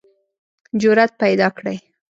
جرئت پیداکړئ